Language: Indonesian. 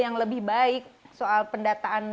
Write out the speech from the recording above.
yang lebih baik soal pendataan